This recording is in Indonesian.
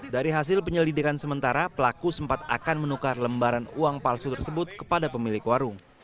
dari hasil penyelidikan sementara pelaku sempat akan menukar lembaran uang palsu tersebut kepada pemilik warung